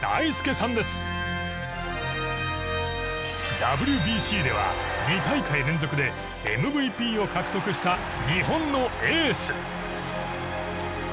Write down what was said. ＷＢＣでは２大会連続でＭＶＰを獲得した日本のエース。